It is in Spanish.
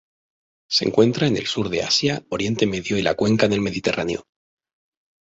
Se encuentra en el sur de Asia, Oriente Medio y la cuenca del Mediterráneo.